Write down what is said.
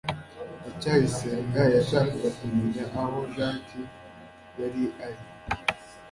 ndacyayisenga yashakaga kumenya aho jaki yari ari